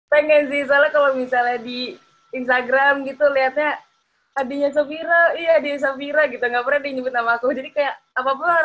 pengen sih soalnya kalau misalnya di instagram gitu liatnya adiknya safira iya adiknya safira gitu gak pernah diinyebut nama aku